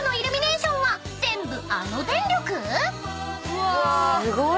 うわ！